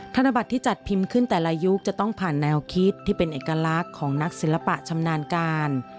ธนบัตรที่จัดพิมพ์ขึ้นแต่ละยุคจะต้องผ่านแนวคิดที่เป็นเอกลักษณ์ของนักศิลปะชำนาญการ